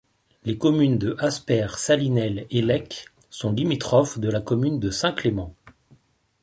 Les communes de Aspères, Salinelles et Lecques sont limitrophes de la commune de Saint-Clément.